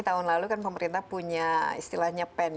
tahun lalu kan pemerintah punya istilahnya pen